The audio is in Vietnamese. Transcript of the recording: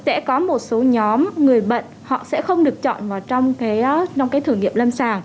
sẽ có một số nhóm người bệnh họ sẽ không được chọn vào trong cái thử nghiệm lâm sàng